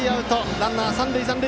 ランナー、三塁に残塁。